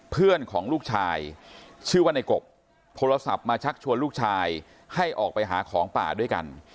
เพื่อนของลูกชายชื่อว่าในกบโทรศัพท์มาชักชวนลูกชายให้ออกไปหาของป่าด้วยกัน